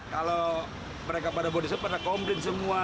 kalau mereka pada bodi sempat rekomprit semua